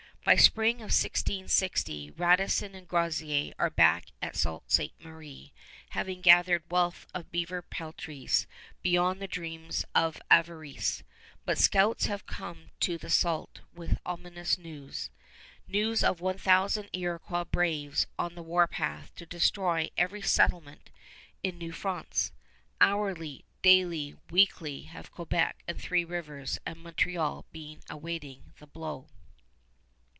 By spring of 1660 Radisson and Groseillers are back at Sault Ste. Marie, having gathered wealth of beaver peltries beyond the dreams of avarice; but scouts have come to the Sault with ominous news news of one thousand Iroquois braves on the warpath to destroy every settlement in New France. Hourly, daily, weekly, have Quebec and Three Rivers and Montreal been awaiting the blow.